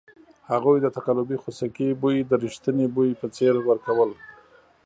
هغوی د تقلبي خوسکي بوی د ریښتني بوی په څېر ورکول.